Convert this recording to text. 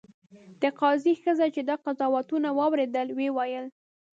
د قاضي ښځې چې دا قضاوتونه واورېدل ویې ویل.